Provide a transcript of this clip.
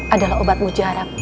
adalah obat mujarab